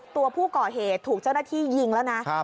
ตัวผู้ก่อเหตุถูกเจ้าหน้าที่ยิงแล้วนะ